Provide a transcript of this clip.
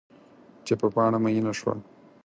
چې په پاڼه میینه شوه